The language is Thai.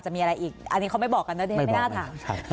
จะมีอะไรอีกอันนี้เขาไม่บอกกันนะดิฉันไม่น่าถาม